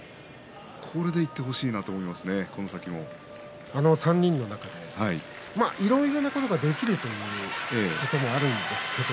これでいってほしいなとこの３人の中でいろいろなことができるということもあるんですけれど。